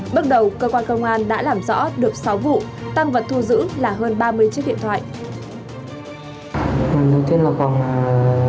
bước đầu cơ quan công an đã làm rõ được sáu vụ tăng vật thu giữ là hơn ba mươi chiếc điện thoại